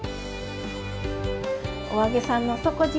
「“お揚げさん”の底力！」